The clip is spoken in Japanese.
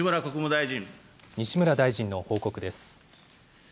西村大臣の報告です。